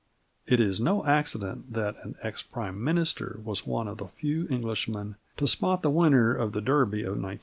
It is no accident that an ex Prime Minister was one of the few Englishmen to spot the winner of the Derby of 1920.